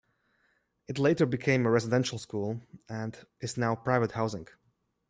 It later became a residential school and is now private housing.